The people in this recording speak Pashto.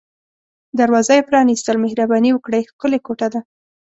دروازه یې پرانیستل، مهرباني وکړئ، ښکلې کوټه ده.